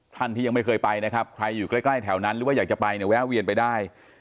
ท่านที่ยังไม่เคยไปนะครับใครอยู่ใกล้แถวนั้นหรือว่าอยากจะไปเนี่ยแวะเวียนไปได้